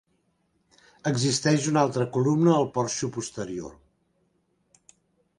Existeix una altra columna al porxo posterior.